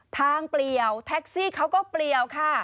ทางเปรี้ยวแท็กซี่เขาก็เปรี้ยวค่ะ